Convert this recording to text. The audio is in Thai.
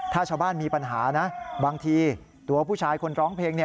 ถ้าชาวบ้านมีปัญหานะบางทีตัวผู้ชายคนร้องเพลง